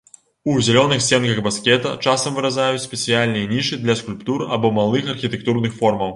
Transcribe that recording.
У зялёных сценках баскета часам выразаюць спецыяльныя нішы для скульптур або малых архітэктурных формаў.